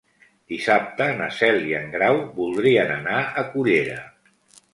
Dissabte na Cel i en Grau voldrien anar a Cullera.